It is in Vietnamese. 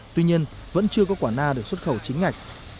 tuy nhiên vẫn chưa có quả na được xuất khẩu chính ngạch